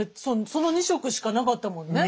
その２色しかなかったもんね。